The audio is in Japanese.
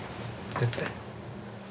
絶対。